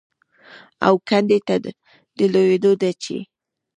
او کندې ته د لوېدو ده چې